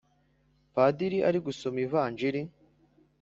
Padiri arigusoma ivanjiri